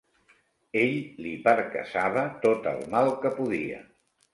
Ell li percaçava tot el mal que podia.